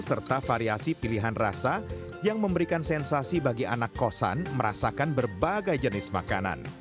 serta variasi pilihan rasa yang memberikan sensasi bagi anak kosan merasakan berbagai jenis makanan